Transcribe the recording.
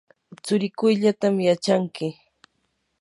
tsurikuyllatam yachanki.